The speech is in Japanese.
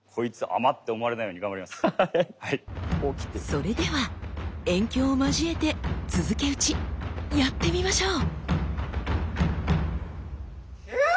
それでは猿叫を交えて「続け打ち」やってみましょう。